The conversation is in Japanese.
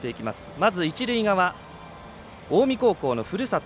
まず一塁側、近江高校のふるさと